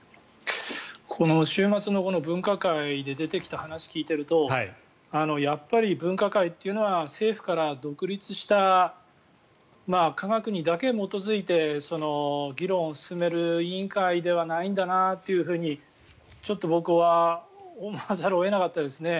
この週末の分科会で出てきた話を聞いているとやっぱり、分科会というのは政府から独立した科学にだけ基づいて議論を進める委員会ではないんだなというふうにちょっと僕は思わざるを得なかったですね。